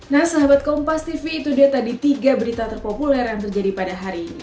nah sahabat kompas tv itu dia tadi tiga berita terpopuler yang terjadi pada hari ini